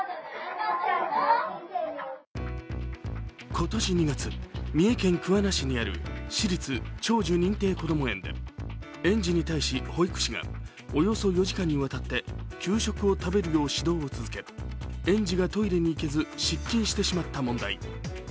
今年２月、三重県桑名市にある私立長寿認定こども園で園児に対し保育士が、およそ４時間にわたって給食を食べるよう指導を続け、園児がトイレに行けず失禁してしまった問題。